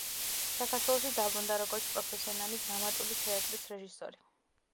საქართველოში დაბრუნდა როგორც პროფესიონალი დრამატული თეატრის რეჟისორი.